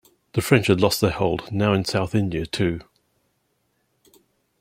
The French had lost their hold now in South India too.